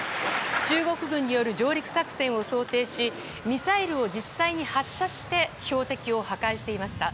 中国軍による上陸作戦を想定しミサイルを実際に発射して標的を破壊していました。